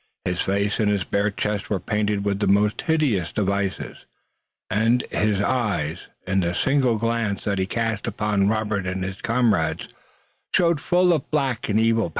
His face and his bare chest were painted with the most hideous devices, and his eyes, in the single glance that he cast upon Robert and his comrades, showed full of black and evil passions.